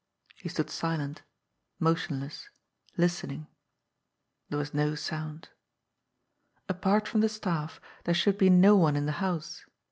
He stood silent, motionless listening. There was no sound. Apart from the staff, there should be no one in the house.